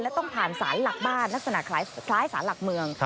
และต้องผ่านสารหลักบ้านลักษณะคล้ายสารหลักเมือง